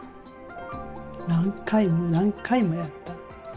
何回も何回もやった。